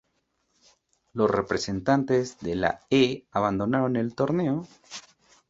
Los representantes de la e abandonaron el torneo.